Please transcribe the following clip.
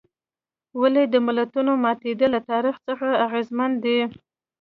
ولې د ملتونو ماتېدل له تاریخ څخه اغېزمن دي.